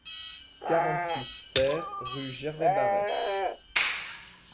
quarante-six TER rue Gervais Barret